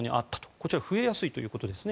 こちら増えやすいということですね。